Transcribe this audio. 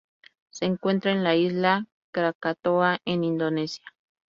Se encuentra en la isla Krakatoa en Indonesia.